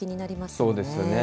そうですよね。